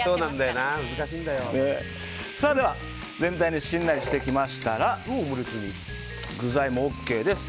では、全体がしんなりしてきましたら具材もＯＫです。